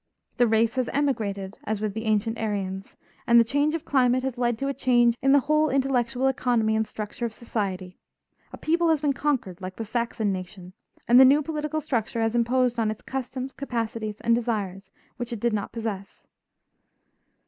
The race has emigrated, as with the ancient Aryans, and the change of climate has led to a change in the whole intellectual economy and structure of society. A people has been conquered like the Saxon nation, and the new political structure has imposed on its customs, capacities, and desires which it did not possess.